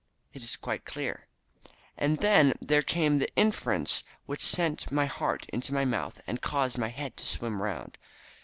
"It is quite clear." "And then there came the inference, which sent my heart into my mouth and caused my head to swim round.